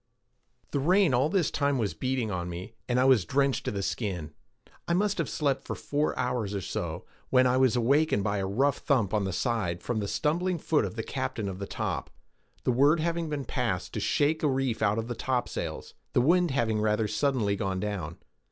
The rain all this time was beating on me, and I was drenched to the skin. I must have slept for four hours or so, when I was awakened by a rough thump on the side from the stumbling foot of the captain of the top, the word having been passed to shake a reef out of the topsails, the wind having rather suddenly gone down.